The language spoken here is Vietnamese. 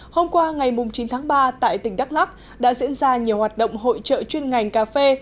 hôm qua ngày chín tháng ba tại tỉnh đắk lắc đã diễn ra nhiều hoạt động hội trợ chuyên ngành cà phê